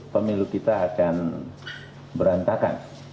pemilu kita akan berantakan